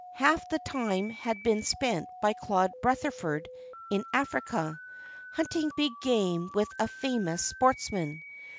Half the time had been spent by Claude Rutherford in Africa, hunting big game with a famous sportsman.